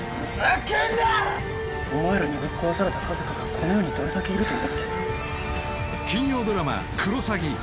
お前らにぶっ壊された家族がこの世にどれだけいると思ってんだ